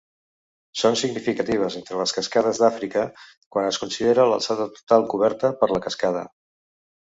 Són significatives entre les cascades d'Àfrica quan es considera l'alçada total coberta per la cascada.